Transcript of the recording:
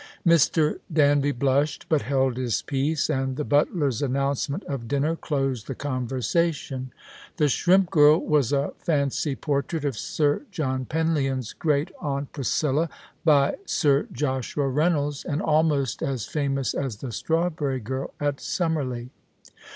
Mr. Danby blushed, but held his peace, and the butler's announcement of dinner closed the conversation. The Shrimp Girl was a fancy portrait of Sir John Penlyon's great aunt Priscilla, by Sir Joshua Keynolds, and almost as famous as the Strawberry Girl at Sum merley.